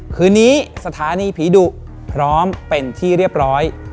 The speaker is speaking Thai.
คืนนี้สถานีผีดุพร้อมเป็นที่เรียบร้อย